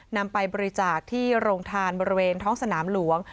นำไปบริจาคที่โรงทานบริเวณท้องสนามหลวง